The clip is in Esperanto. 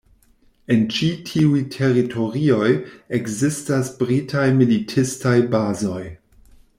En ĉi tiuj teritorioj ekzistas britaj militistaj bazoj.